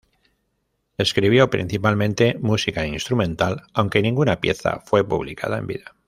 Escribió principalmente música instrumental, aunque ninguna pieza fue publicada en vida.